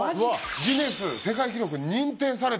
ギネス世界記録認定された。